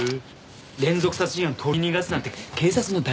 連続殺人犯取り逃がすなんて警察の大失態ですね。